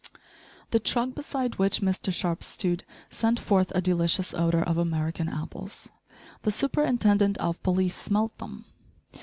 The truck beside which Mr Sharp stood sent forth a delicious odour of American apples. The superintendent of police smelt them.